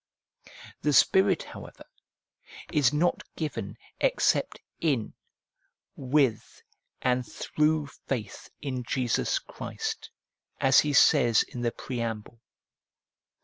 The Spirit, however, is not given except in, with, and through faith in Jesus Christ, as he says in the preamble.